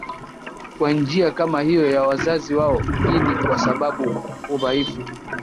kwa njia kama hiyo ya wazazi wao Hii ni kwa sababu udhaifu